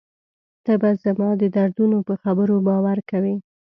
ته به زما د دردونو په خبرو باور کوې.